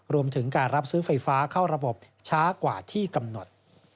รวมถึงการรับซื้อไฟฟ้าเข้าระบบช้ากว่าที่กำหนด